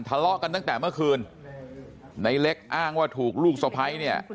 ทะเลาะกันตั้งแต่เมื่อคืนในเล็กอ้างว่าถูกลูกสะพ้ายเนี่ย